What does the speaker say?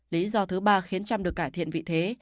lý do thứ ba khiến cham được cải thiện vị thế